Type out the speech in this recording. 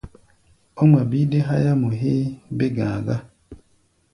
Ó ŋma bíí dé háyámɔ héé bé-ga̧a̧ gá.